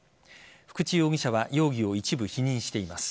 福地容疑者は容疑を一部否認しています。